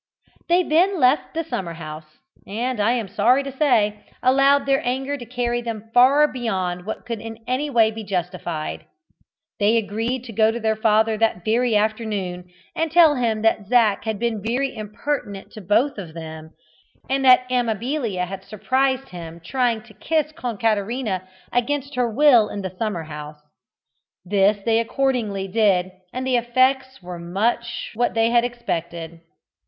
They then left the summer house, and, I am sorry to say, allowed their anger to carry them far beyond what could in any way be justified. They agreed to go to their father that very afternoon, and tell him that Zac had been very impertinent to both of them, and that Amabilia had surprized him trying to kiss Concaterina against her will in the summer house. This they accordingly did, and the effects were much what they had expected.